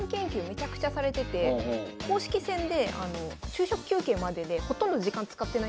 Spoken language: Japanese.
めちゃくちゃされてて公式戦で昼食休憩まででほとんど時間使ってないんですよ。